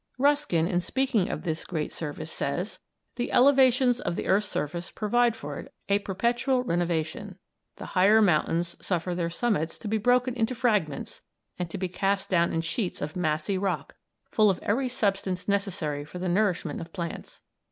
Ruskin, in speaking of this great service, says: "The elevations of the earth's surface provide for it a perpetual renovation. The higher mountains suffer their summits to be broken into fragments, and to be cast down in sheets of massy rock, full of every substance necessary for the nourishment of plants.